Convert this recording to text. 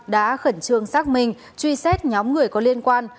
đã khẩn trương xác minh truy xét nhóm người có liên quan